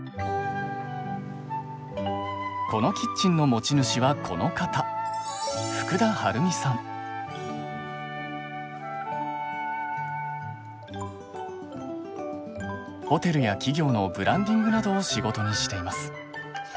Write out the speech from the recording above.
このキッチンの持ち主はこの方ホテルや企業のブランディングなどを仕事にしています。